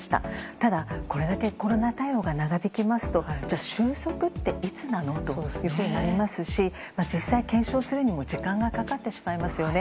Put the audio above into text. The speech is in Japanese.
ただ、これだけコロナ対応が長引きますと収束っていつなの？というふうになりますし実際、検証するにも時間がかかってしまいますよね。